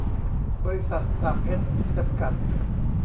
บริษัท ดาบเพ็ชร์ จำกัด